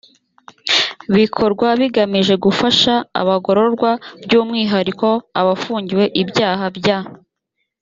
bikorwa bigamije gufasha abagororwa by umwihariko abafungiwe ibyaha bya